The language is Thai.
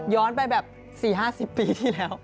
ไปแบบ๔๕๐ปีที่แล้ว